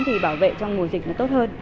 để bảo vệ trong mùa dịch nó tốt hơn